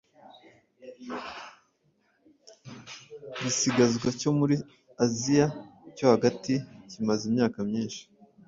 gisigazwa cyo muri asia yo hagati kimaze imyaka myinshi.